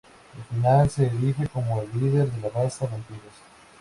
Al final se erige como el líder de la raza vampiros.